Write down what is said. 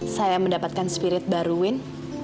saya mendapatkan spirit baru win